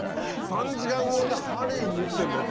３時間超えで針縫ってんだよ